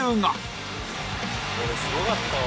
「これすごかったわ」